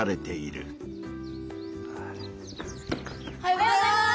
おはようございます！